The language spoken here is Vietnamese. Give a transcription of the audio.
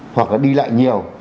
hoặc là đi lại nhiều